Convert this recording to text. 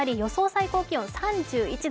最高気温は３１度。